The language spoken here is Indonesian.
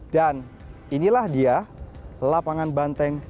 dan inilah dia lapangan banteng